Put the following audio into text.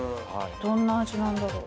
どんな味なんだろう？